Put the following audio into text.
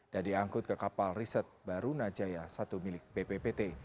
dan diangkut ke kapal riset barunajaya satu milik bppt